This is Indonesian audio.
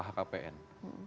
pertanyaannya kan sederhana